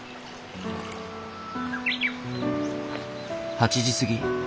８時過ぎ。